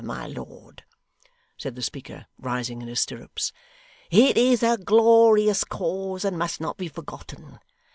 My lord,' said the speaker, rising in his stirrups, 'it is a glorious cause, and must not be forgotten.